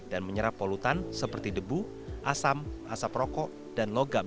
dan menyerap polutan seperti debu asam asap rokok dan logam